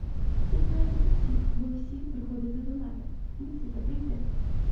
Я знаю тут усіх, бо усі приходите до мене — мусите прийти.